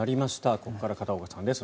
ここから片岡さんです。